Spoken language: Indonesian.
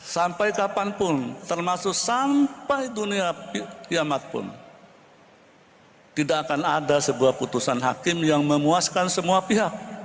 sampai kapanpun termasuk sampai dunia kiamat pun tidak akan ada sebuah putusan hakim yang memuaskan semua pihak